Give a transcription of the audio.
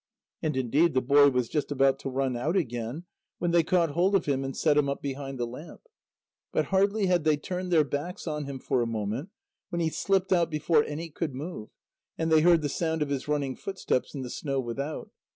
And indeed, the boy was just about to run out again, when they caught hold of him and set him up behind the lamp. But hardly had they turned their backs on him for a moment, when he slipped out before any could move, and they heard the sound of his running footsteps in the snow without.